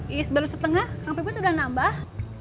is baru setengah kang pipit udah nambah